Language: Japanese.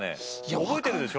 覚えてるでしょ？